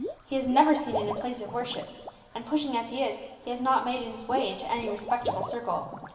He is never seen in a place of worship, and, pushing as he is, has not made his way into any respectable circle.